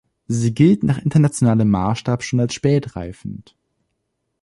Sie gilt nach internationalem Maßstab schon als spät reifend.